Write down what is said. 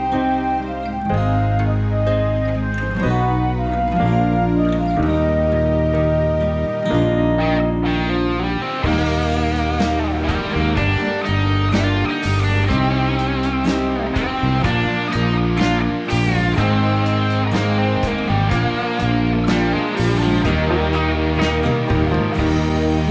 ขอบคุณครับ